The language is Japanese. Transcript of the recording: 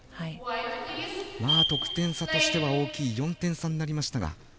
得点差としては大きい４点差になりました。